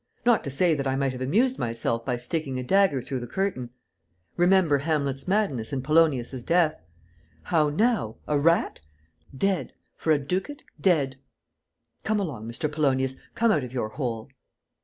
Not to say that I might have amused myself by sticking a dagger through the curtain. Remember Hamlet's madness and Polonius' death: 'How now! A rat? Dead, for a ducat, dead!' Come along, Mr. Polonius, come out of your hole."